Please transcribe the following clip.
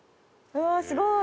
うわあすごい！